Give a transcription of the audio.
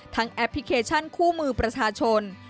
แอปพลิเคชันคู่มือประชาชน